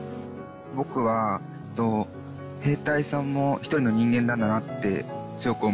僕は兵隊さんも一人の人間なんだなって強く思いました。